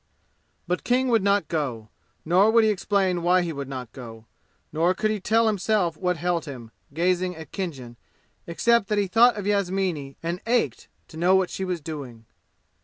But King would not go. Nor would he explain why he would not go. Nor could he tell himself what held him, gazing at Khinjan, except that he thought of Yasmini and ached to know what she was doing.